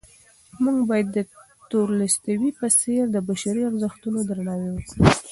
موږ باید د تولستوی په څېر د بشري ارزښتونو درناوی وکړو.